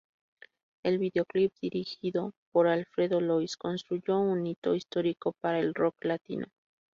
El videoclip, dirigido por Alfredo Lois, constituyó un hito histórico para el rock latino.